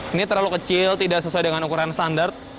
ini terlalu kecil tidak sesuai dengan ukuran standar